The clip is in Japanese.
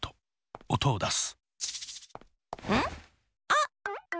あっ！